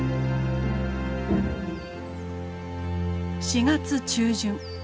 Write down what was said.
４月中旬。